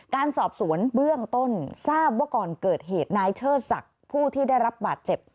การสอบสวนเบื้องต้นทราบว่าก่อนเกิดเหตุนายเชิดศักดิ์ผู้ที่ได้รับบาดเจ็บ